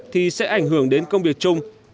thì sẽ ảnh hưởng đến công việc chung